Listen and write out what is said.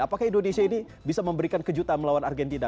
apakah indonesia ini bisa memberikan kejutan melawan argentina